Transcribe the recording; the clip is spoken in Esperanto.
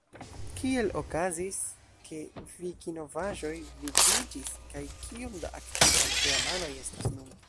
Kiel okazis, ke Vikinovaĵoj vigliĝis, kaj kiom da aktivaj teamanoj estas nun?